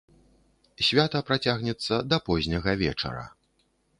Свята працягнецца да позняга вечара.